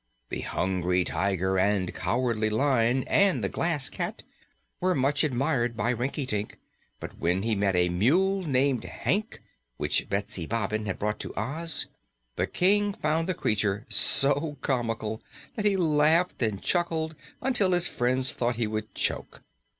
The Hungry Tiger and Cowardly Lion and the Glass Cat were much admired by Rinkitink, but when he met a mule named Hank, which Betsy Bobbin had brought to Oz, the King found the creature so comical that he laughed and chuckled until his friends thought he would choke.